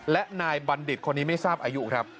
และนายบัณฑิตคนนี้ไม่ทราบอายุครับ